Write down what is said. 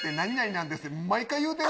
毎回言うてる。